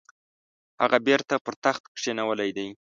هغه بیرته پر تخت کښېنولی دی.